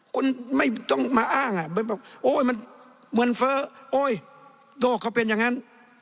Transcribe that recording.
คุณไม่ต้องมาอ้างอ่ะเหมือนเฟ้อโด่เขาเป็นอย่างงั้น